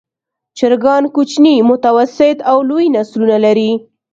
چرګان کوچني، متوسط او لوی نسلونه لري.